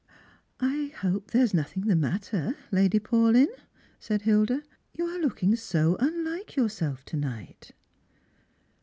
" I hope there is nothing the matter, Lady Paulyn ?" said Hilda ;" you are looking so ^^nhke yourself to night."